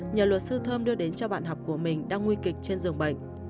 nhờ luật sư thơm đưa đến cho bạn học của mình đang nguy kịch trên dường bệnh